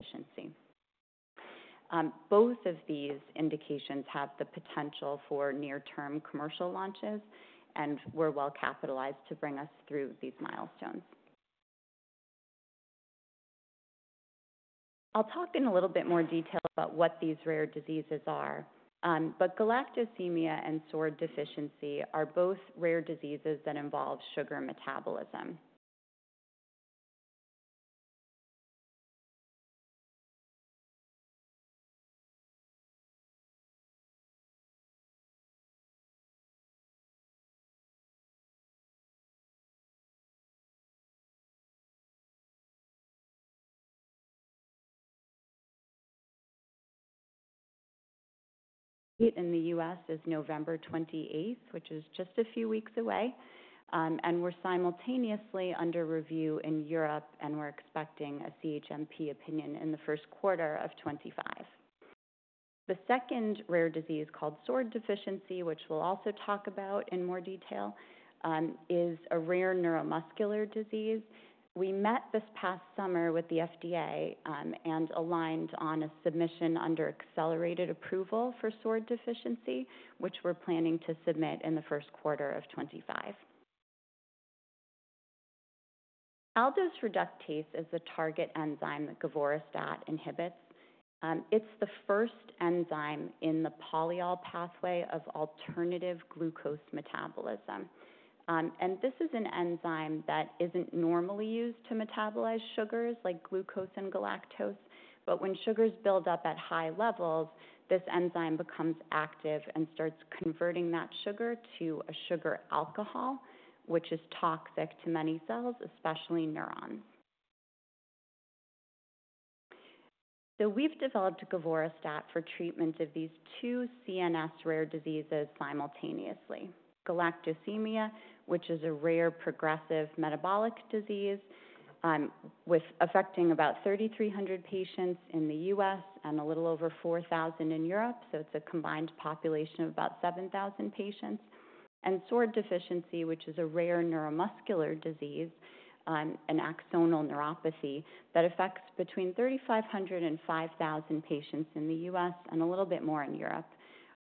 Efficiency. Both of these indications have the potential for near-term commercial launches, and we're well-capitalized to bring us through these milestones. I'll talk in a little bit more detail about what these rare diseases are, but galactosemia and SORD deficiency are both rare diseases that involve sugar metabolism. In the US, it is November 28th, which is just a few weeks away, and we're simultaneously under review in Europe, and we're expecting a CHMP opinion in the first quarter of 2025. The second rare disease called SORD deficiency, which we'll also talk about in more detail, is a rare neuromuscular disease. We met this past summer with the FDA and aligned on a submission under accelerated approval for SORD deficiency, which we're planning to submit in the first quarter of 2025. Aldose reductase is a target enzyme that govorestat inhibits. It's the first enzyme in the polyol pathway of alternative glucose metabolism. And this is an enzyme that isn't normally used to metabolize sugars like glucose and galactose, but when sugars build up at high levels, this enzyme becomes active and starts converting that sugar to a sugar alcohol, which is toxic to many cells, especially neurons. So we've developed govorestat for treatment of these two CNS rare diseases simultaneously. Galactosemia, which is a rare progressive metabolic disease, is affecting about 3,300 patients in the U.S. and a little over 4,000 in Europe, so it's a combined population of about 7,000 patients. And SORD deficiency, which is a rare neuromuscular disease, an axonal neuropathy, that affects between 3,500 and 5,000 patients in the U.S. and a little bit more in Europe.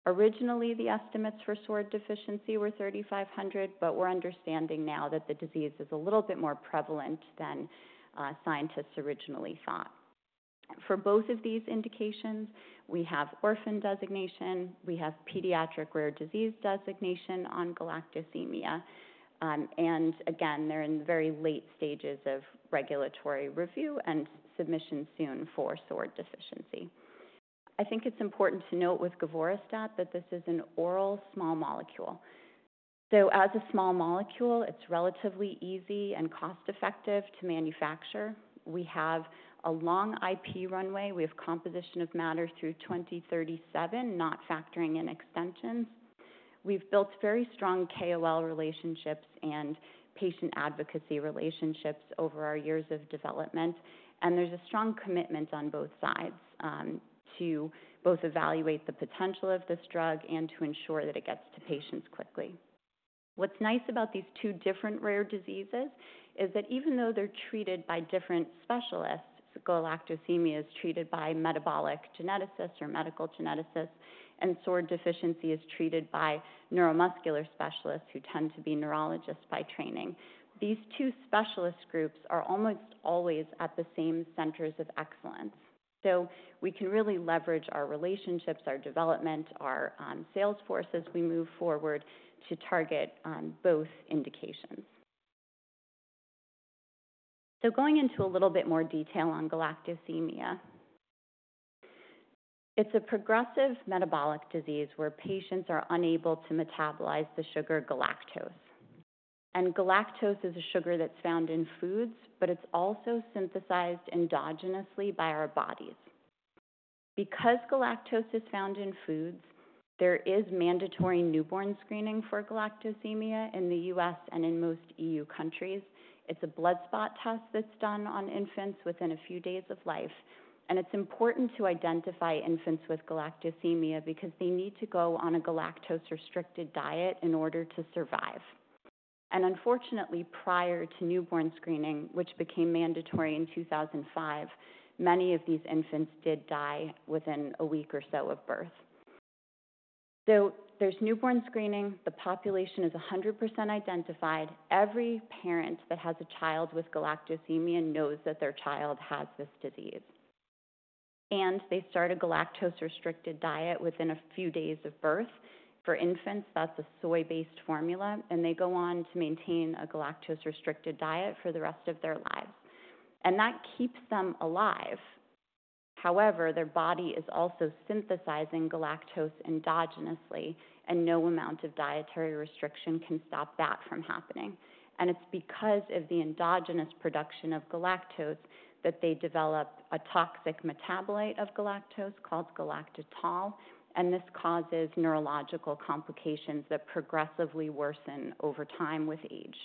Originally, the estimates for SORD deficiency were 3,500, but we're understanding now that the disease is a little bit more prevalent than scientists originally thought. For both of these indications, we have orphan designation, we have pediatric rare disease designation on galactosemia, and again, they're in the very late stages of regulatory review and submission soon for SORD deficiency. I think it's important to note with govorestat that this is an oral small molecule. So as a small molecule, it's relatively easy and cost-effective to manufacture. We have a long IP runway. We have composition of matter through 2037, not factoring in extensions. We've built very strong KOL relationships and patient advocacy relationships over our years of development, and there's a strong commitment on both sides to both evaluate the potential of this drug and to ensure that it gets to patients quickly. What's nice about these two different rare diseases is that even though they're treated by different specialists, galactosemia is treated by metabolic geneticists or medical geneticists, and SORD deficiency is treated by neuromuscular specialists who tend to be neurologists by training. These two specialist groups are almost always at the same centers of excellence, so we can really leverage our relationships, our development, our sales forces as we move forward to target both indications, so going into a little bit more detail on galactosemia, it's a progressive metabolic disease where patients are unable to metabolize the sugar galactose, and galactose is a sugar that's found in foods, but it's also synthesized endogenously by our bodies. Because galactose is found in foods, there is mandatory newborn screening for galactosemia in the U.S. and in most E.U. countries. It's a blood spot test that's done on infants within a few days of life, and it's important to identify infants with galactosemia because they need to go on a galactose-restricted diet in order to survive, and unfortunately, prior to newborn screening, which became mandatory in 2005, many of these infants did die within a week or so of birth, so there's newborn screening. The population is 100% identified. Every parent that has a child with galactosemia knows that their child has this disease, and they start a galactose-restricted diet within a few days of birth. For infants, that's a soy-based formula, and they go on to maintain a galactose-restricted diet for the rest of their lives, and that keeps them alive. However, their body is also synthesizing galactose endogenously, and no amount of dietary restriction can stop that from happening. It's because of the endogenous production of galactose that they develop a toxic metabolite of galactose called galactitol, and this causes neurological complications that progressively worsen over time with age.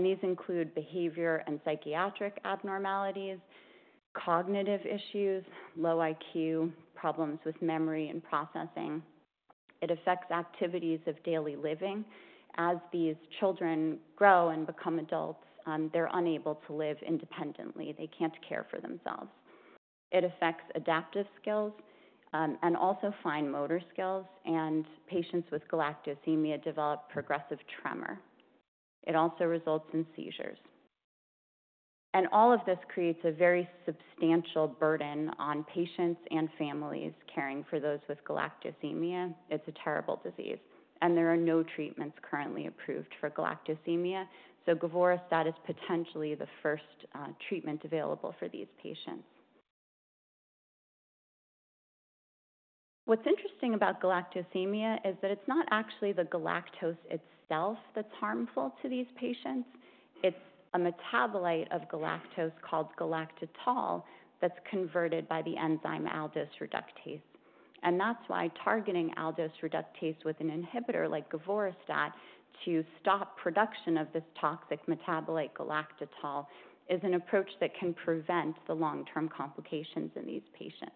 These include behavior and psychiatric abnormalities, cognitive issues, low IQ, problems with memory and processing. It affects activities of daily living. As these children grow and become adults, they're unable to live independently. They can't care for themselves. It affects adaptive skills and also fine motor skills, and patients with galactosemia develop progressive tremor. It also results in seizures. All of this creates a very substantial burden on patients and families caring for those with galactosemia. It's a terrible disease, and there are no treatments currently approved for galactosemia, so govorestat is potentially the first treatment available for these patients. What's interesting about galactosemia is that it's not actually the galactose itself that's harmful to these patients. It's a metabolite of galactose called galactitol that's converted by the enzyme aldose reductase. That's why targeting aldose reductase with an inhibitor like govorestat to stop production of this toxic metabolite galactitol is an approach that can prevent the long-term complications in these patients.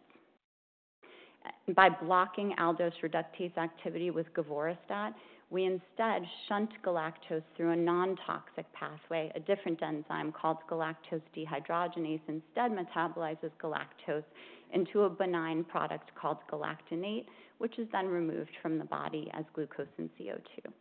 By blocking aldose reductase activity with govorestat, we instead shunt galactose through a non-toxic pathway. A different enzyme called galactose dehydrogenase instead metabolizes galactose into a benign product called galactonate, which is then removed from the body as glucose and CO2.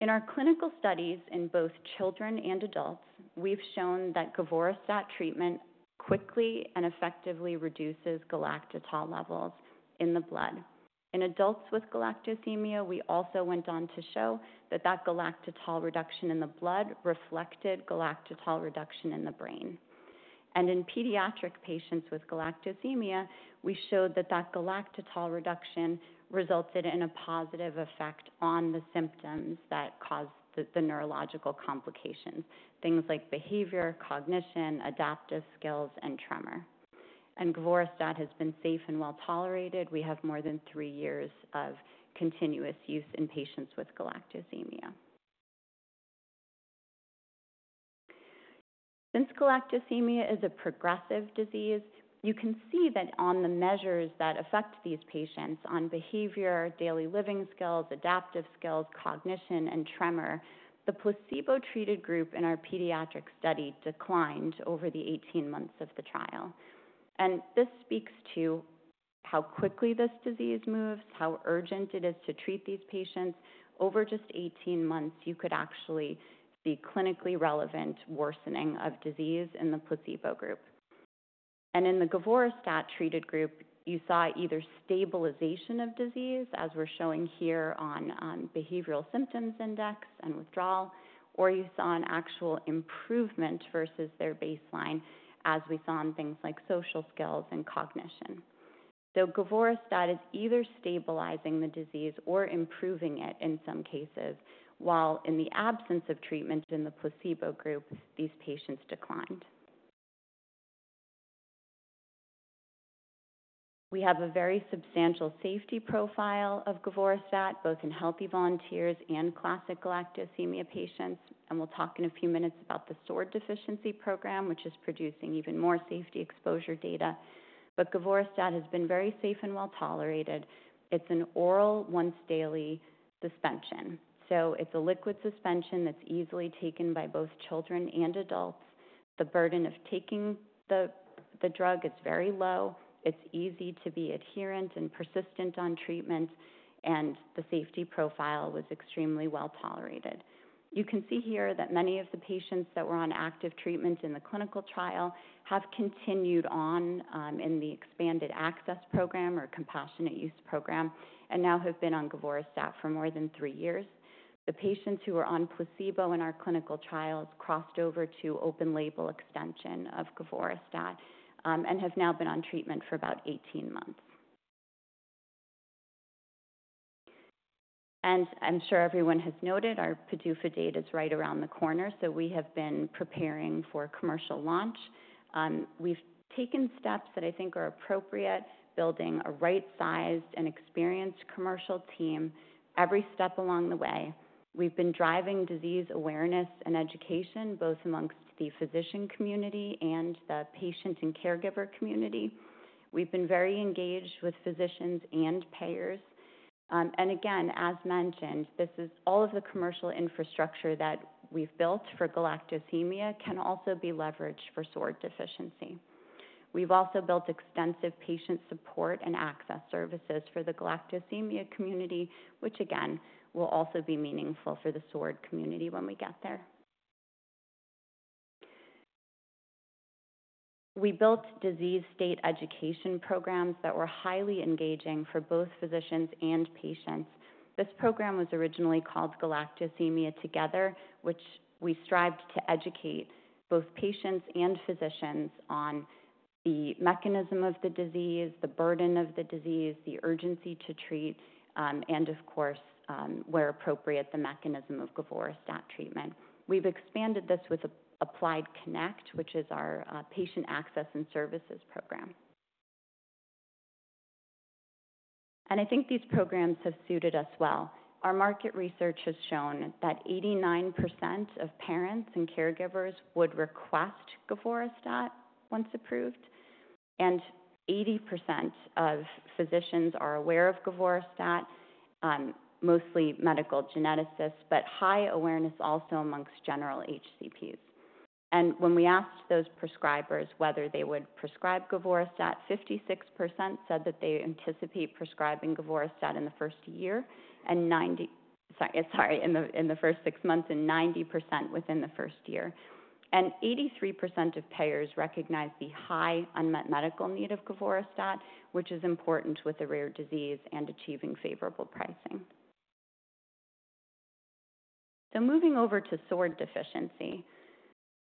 In our clinical studies in both children and adults, we've shown that govorestat treatment quickly and effectively reduces galactitol levels in the blood. In adults with galactosemia, we also went on to show that galactitol reduction in the blood reflected galactitol reduction in the brain. In pediatric patients with galactosemia, we showed that galactitol reduction resulted in a positive effect on the symptoms that caused the neurological complications, things like behavior, cognition, adaptive skills, and tremor. govorestat has been safe and well tolerated. We have more than three years of continuous use in patients with galactosemia. Since galactosemia is a progressive disease, you can see that on the measures that affect these patients on behavior, daily living skills, adaptive skills, cognition, and tremor, the placebo-treated group in our pediatric study declined over the 18 months of the trial. This speaks to how quickly this disease moves, how urgent it is to treat these patients. Over just 18 months, you could actually see clinically relevant worsening of disease in the placebo group. In the govorestat-treated group, you saw either stabilization of disease, as we're showing here on Behavioral Symptoms Index and withdrawal, or you saw an actual improvement versus their baseline, as we saw in things like social skills and cognition. So govorestat is either stabilizing the disease or improving it in some cases, while in the absence of treatment in the placebo group, these patients declined. We have a very substantial safety profile of govorestat, both in healthy volunteers and classic galactosemia patients, and we'll talk in a few minutes about the SORD deficiency program, which is producing even more safety exposure data. But govorestat has been very safe and well tolerated. It's an oral once-daily suspension, so it's a liquid suspension that's easily taken by both children and adults. The burden of taking the drug is very low. It's easy to be adherent and persistent on treatment, and the safety profile was extremely well tolerated. You can see here that many of the patients that were on active treatment in the clinical trial have continued on in the expanded access program or compassionate use program and now have been on govorestat for more than three years. The patients who were on placebo in our clinical trials crossed over to open-label extension of govorestat and have now been on treatment for about 18 months, and I'm sure everyone has noted our PDUFA date is right around the corner, so we have been preparing for commercial launch. We've taken steps that I think are appropriate, building a right-sized and experienced commercial team every step along the way. We've been driving disease awareness and education both amongst the physician community and the patient and caregiver community. We've been very engaged with physicians and payers. And again, as mentioned, this is all of the commercial infrastructure that we've built for galactosemia, can also be leveraged for SORD deficiency. We've also built extensive patient support and access services for the galactosemia community, which again will also be meaningful for the SORD community when we get there. We built disease state education programs that were highly engaging for both physicians and patients. This program was originally called Galactosemia Together, which we strived to educate both patients and physicians on the mechanism of the disease, the burden of the disease, the urgency to treat, and of course, where appropriate, the mechanism of govorestat treatment. We've expanded this with AppliedConnect, which is our patient access and services program. And I think these programs have suited us well. Our market research has shown that 89% of parents and caregivers would request govorestat once approved, and 80% of physicians are aware of govorestat, mostly medical geneticists, but high awareness also among general HCPs. When we asked those prescribers whether they would prescribe govorestat, 56% said that they anticipate prescribing govorestat in the first year and 90, sorry, in the first six months and 90% within the first year. 83% of payers recognize the high unmet medical need of govorestat, which is important with a rare disease and achieving favorable pricing. Moving over to SORD deficiency,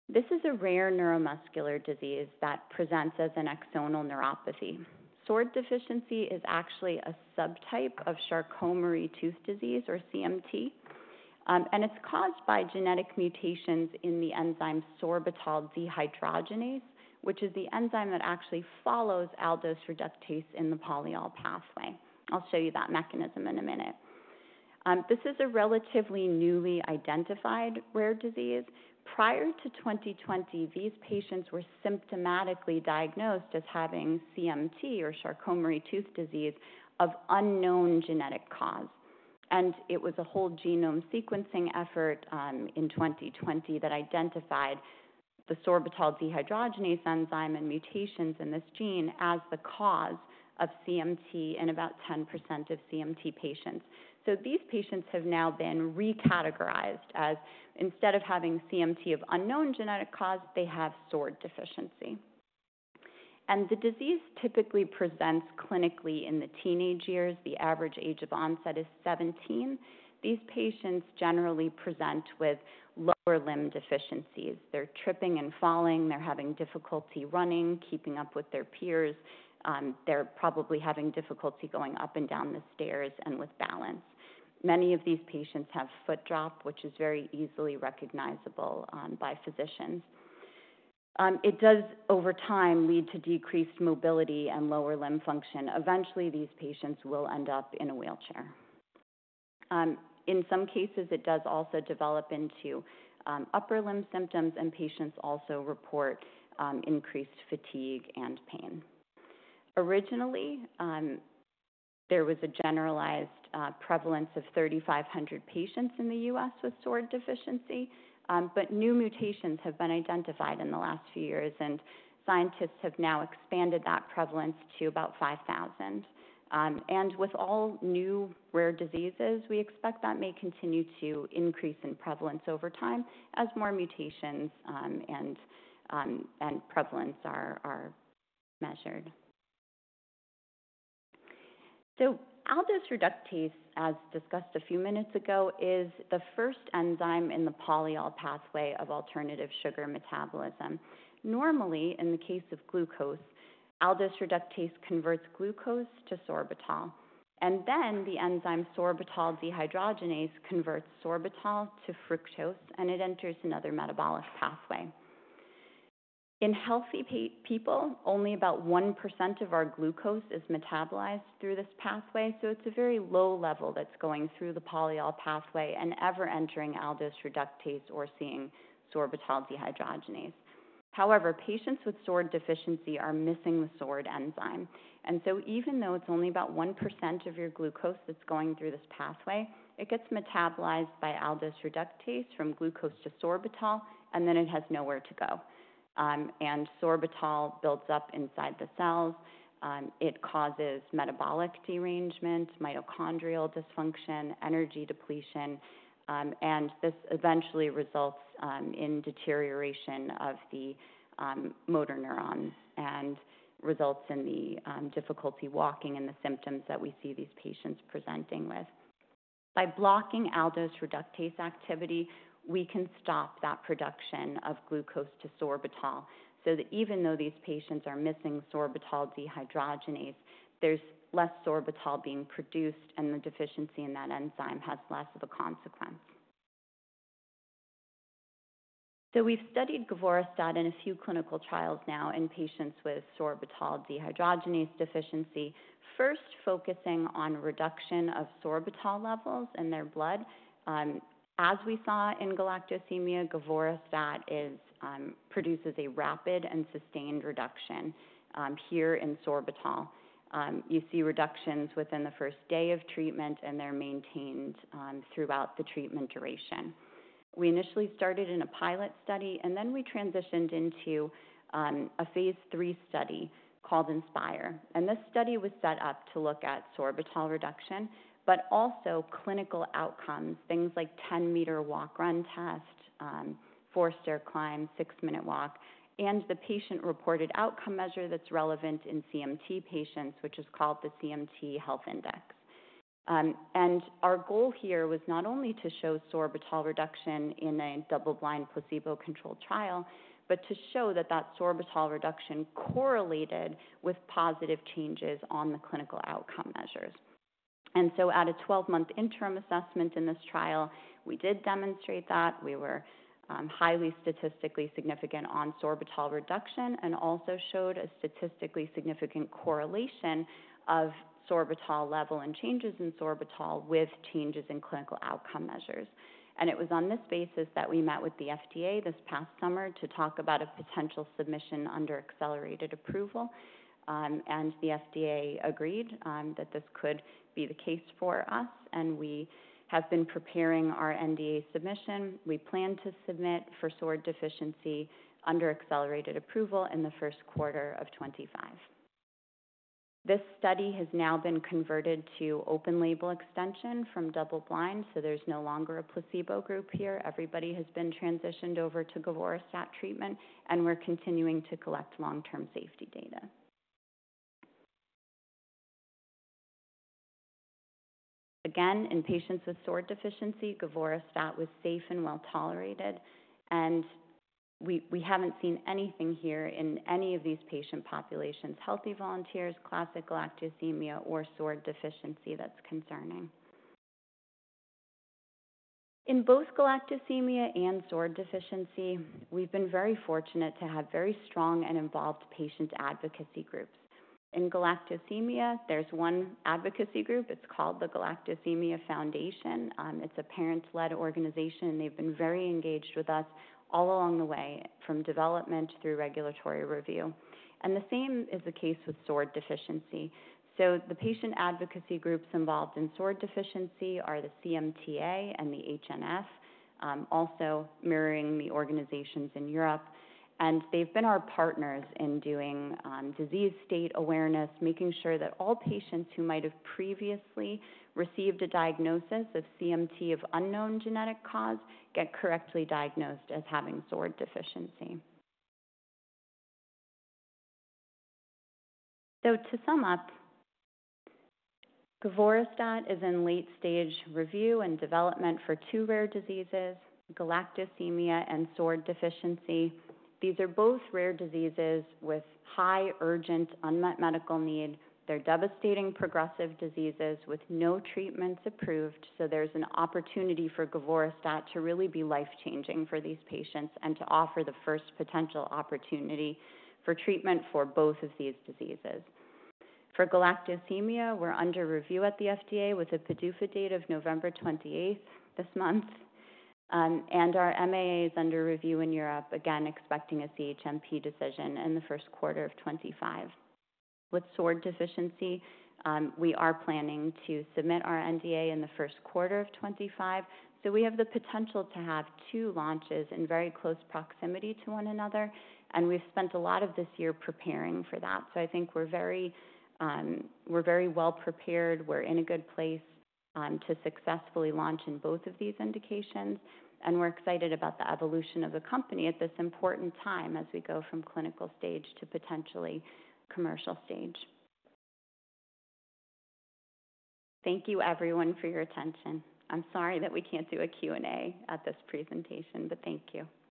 this is a rare neuromuscular disease that presents as an axonal neuropathy. SORD deficiency is actually a subtype of Charcot-Marie-Tooth disease or CMT, and it's caused by genetic mutations in the enzyme sorbitol dehydrogenase, which is the enzyme that actually follows aldose reductase in the polyol pathway. I'll show you that mechanism in a minute. This is a relatively newly identified rare disease. Prior to 2020, these patients were symptomatically diagnosed as having CMT or Charcot-Marie-Tooth disease of unknown genetic cause, and it was a whole genome sequencing effort in 2020 that identified the sorbitol dehydrogenase enzyme and mutations in this gene as the cause of CMT in about 10% of CMT patients, so these patients have now been recategorized as instead of having CMT of unknown genetic cause, they have SORD deficiency, and the disease typically presents clinically in the teenage years. The average age of onset is 17. These patients generally present with lower limb deficiencies. They're tripping and falling. They're having difficulty running, keeping up with their peers. They're probably having difficulty going up and down the stairs and with balance. Many of these patients have foot drop, which is very easily recognizable by physicians. It does, over time, lead to decreased mobility and lower limb function. Eventually, these patients will end up in a wheelchair. In some cases, it does also develop into upper limb symptoms, and patients also report increased fatigue and pain. Originally, there was a generalized prevalence of 3,500 patients in the U.S. with SORD deficiency, but new mutations have been identified in the last few years, and scientists have now expanded that prevalence to about 5,000. And with all new rare diseases, we expect that may continue to increase in prevalence over time as more mutations and prevalence are measured. So aldose reductase, as discussed a few minutes ago, is the first enzyme in the polyol pathway of alternative sugar metabolism. Normally, in the case of glucose, aldose reductase converts glucose to sorbitol, and then the enzyme sorbitol dehydrogenase converts sorbitol to fructose, and it enters another metabolic pathway. In healthy people, only about 1% of our glucose is metabolized through this pathway, so it's a very low level that's going through the polyol pathway and ever entering aldose reductase or seeing sorbitol dehydrogenase. However, patients with SORD deficiency are missing the SORD enzyme and so even though it's only about 1% of your glucose that's going through this pathway, it gets metabolized by aldose reductase from glucose to sorbitol, and then it has nowhere to go and sorbitol builds up inside the cells. It causes metabolic derangement, mitochondrial dysfunction, energy depletion, and this eventually results in deterioration of the motor neuron and results in the difficulty walking and the symptoms that we see these patients presenting with. By blocking aldose reductase activity, we can stop that production of glucose to sorbitol so that even though these patients are missing sorbitol dehydrogenase, there's less sorbitol being produced, and the deficiency in that enzyme has less of a consequence, so we've studied govorestat in a few clinical trials now in patients with sorbitol dehydrogenase deficiency, first focusing on reduction of sorbitol levels in their blood. As we saw in galactosemia, govorestat produces a rapid and sustained reduction here in sorbitol. You see reductions within the first day of treatment, and they're maintained throughout the treatment duration. We initially started in a pilot study, and then we transitioned into a phase three study called INSPIRE. And this study was set up to look at sorbitol reduction, but also clinical outcomes, things like 10-meter walk-run test, four-stair climb, six-minute walk, and the patient-reported outcome measure that's relevant in CMT patients, which is called the CMT Health Index. And our goal here was not only to show sorbitol reduction in a double-blind placebo-controlled trial, but to show that that sorbitol reduction correlated with positive changes on the clinical outcome measures. And so at a 12-month interim assessment in this trial, we did demonstrate that we were highly statistically significant on sorbitol reduction and also showed a statistically significant correlation of sorbitol level and changes in sorbitol with changes in clinical outcome measures. It was on this basis that we met with the FDA this past summer to talk about a potential submission under accelerated approval, and the FDA agreed that this could be the case for us, and we have been preparing our NDA submission. We plan to submit for SORD deficiency under accelerated approval in the first quarter of 2025. This study has now been converted to open-label extension from double-blind, so there's no longer a placebo group here. Everybody has been transitioned over to govorestat treatment, and we're continuing to collect long-term safety data. Again, in patients with SORD deficiency, govorestat was safe and well tolerated, and we haven't seen anything here in any of these patient populations: healthy volunteers, classic galactosemia, or SORD deficiency that's concerning. In both galactosemia and SORD deficiency, we've been very fortunate to have very strong and involved patient advocacy groups. In galactosemia, there's one advocacy group. It's called the Galactosemia Foundation. It's a parents-led organization, and they've been very engaged with us all along the way from development through regulatory review. And the same is the case with SORD deficiency. So the patient advocacy groups involved in SORD deficiency are the CMTA and the HNF, also mirroring the organizations in Europe. And they've been our partners in doing disease state awareness, making sure that all patients who might have previously received a diagnosis of CMT of unknown genetic cause get correctly diagnosed as having SORD deficiency. So to sum up, govorestat is in late-stage review and development for two rare diseases: galactosemia and SORD deficiency. These are both rare diseases with high urgent unmet medical need. They're devastating progressive diseases with no treatments approved, so there's an opportunity for govorestat to really be life-changing for these patients and to offer the first potential opportunity for treatment for both of these diseases. For galactosemia, we're under review at the FDA with a PDUFA date of November 28th this month, and our MAA is under review in Europe, again expecting a CHMP decision in the first quarter of 2025. With SORD deficiency, we are planning to submit our NDA in the first quarter of 2025, so we have the potential to have two launches in very close proximity to one another, and we've spent a lot of this year preparing for that. So I think we're very well prepared. We're in a good place to successfully launch in both of these indications, and we're excited about the evolution of the company at this important time as we go from clinical stage to potentially commercial stage. Thank you, everyone, for your attention. I'm sorry that we can't do a Q&A at this presentation, but thank you.